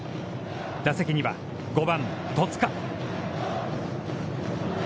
打席には、５番戸塚。